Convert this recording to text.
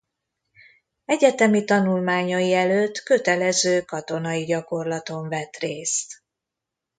Egyetemi tanulmányai előtt kötelező katonai gyakorlaton vett részt.